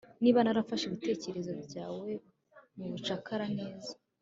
Niba narafashe ibitekerezo byawe mubucakara neza